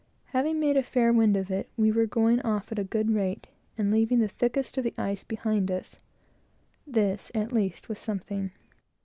Having made a fair wind of it, we were going off at a good rate, and leaving the thickest of the ice behind us. This, at least, was something.